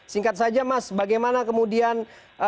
singkat saja mas bagaimana kemudian